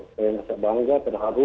saya merasa bangga terharu